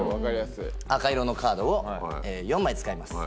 赤色のカードを４枚使います。